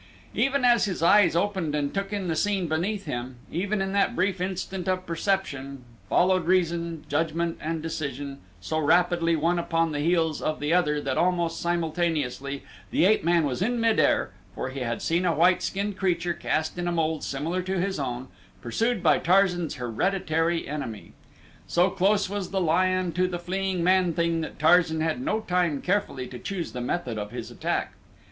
Even as his eyes opened and took in the scene beneath him even in that brief instant of perception, followed reason, judgment, and decision, so rapidly one upon the heels of the other that almost simultaneously the ape man was in mid air, for he had seen a white skinned creature cast in a mold similar to his own, pursued by Tarzan's hereditary enemy. So close was the lion to the fleeing man thing that Tarzan had no time carefully to choose the method of his attack.